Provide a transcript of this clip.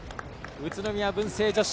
宇都宮文星女子